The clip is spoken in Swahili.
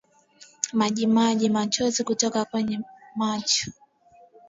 Majimaji machozi kutoka kwenye macho